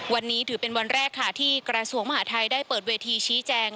วันนี้ถือเป็นวันแรกค่ะที่กระทรวงมหาทัยได้เปิดเวทีชี้แจง